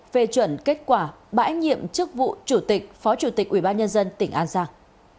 về chuẩn kết quả bãi nhiệm chức vụ chủ tịch phó chủ tịch ủy ban nhân dân tỉnh an giang